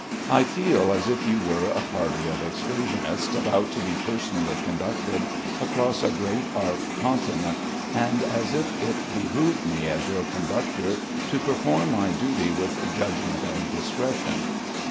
I feel as if you were a party of excursionists about to be personally conducted across a great art continent, and as if it behooved me, as your conductor, to perform my duty with judgment and discretion.